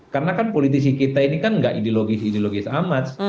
karena kan politisi kita ini kan tidak ideologis ideologis amat